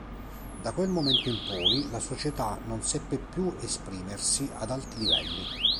Da quel momento in poi la società non seppe più esprimersi ad alti livelli.